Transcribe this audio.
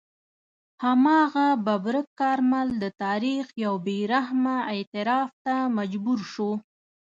هماغه ببرک کارمل د تاریخ یو بې رحمه اعتراف ته مجبور شو.